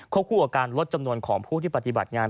คู่กับการลดจำนวนของผู้ที่ปฏิบัติงาน